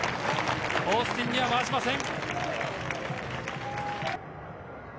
オースティンには回しません。